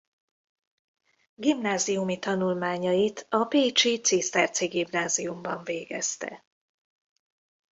Gimnáziumi tanulmányait a pécsi ciszterci gimnáziumban végezte.